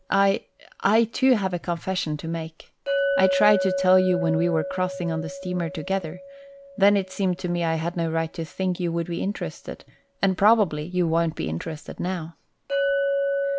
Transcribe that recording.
I I too have a confession to make. I tried to tell you when we were crossing on the steamer together. Then it seemed to me I had no right to think you would be interested, and probably you won't be interested now."